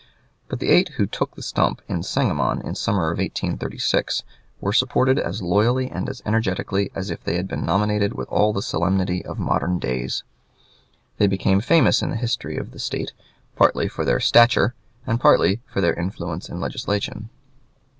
But the eight who "took the stump" in Sangamon in the summer of 1836 were supported as loyally and as energetically as if they had been nominated with all the solemnity of modern days. They became famous in the history of the State, partly for their stature and partly for their influence in legislation.